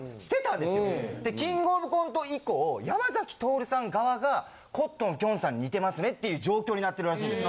で『キングオブコント』以降山咲トオルさん側がコットンきょんさんに似てますねっていう状況になってるらしいんですよ。